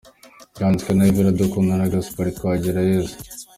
Byanditswe na Yves Iradukunda & Gaspard Twagirayezu.